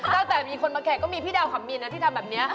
ตั้งแต่มีคนมาแขกก็มีพี่ดาวขับมินนะที่ทำแบบนี้